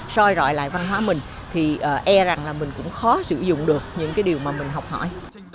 soi rọi lại văn hóa mình thì e rằng là mình cũng khó sử dụng được những cái điều mà mình học hỏi